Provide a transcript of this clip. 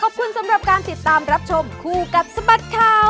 ขอบคุณสำหรับการติดตามรับชมคู่กับสบัดข่าว